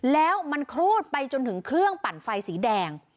แล้วมันครูดไปจนถึงเครื่องปั่นไฟสีแดง